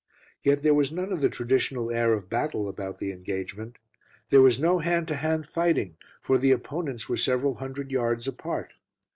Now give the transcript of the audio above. Yet there was none of the traditional air of battle about the engagement. There was no hand to hand fighting, for the opponents were several hundred yards apart.